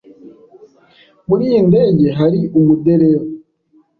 Muri iyi ndege hari umuderevu?